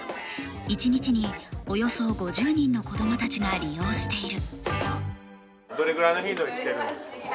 １日に、およそ５０人の子供たちが利用している。